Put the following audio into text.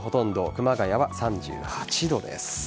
熊谷は３８度です。